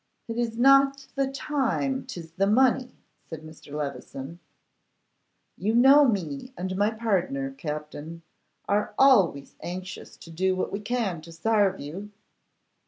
'It is not the time, 'tis the money,' said Mr. Levison. 'You know me and my pardner, Captin, are always anxious to do what we can to sarve you.